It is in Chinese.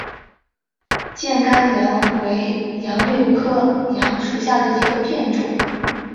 箭杆杨为杨柳科杨属下的一个变种。